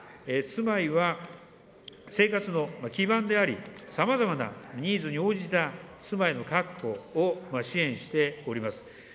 住まいは、生活の基盤であり、さまざまなニーズに応じた住まいの確保を支援しております。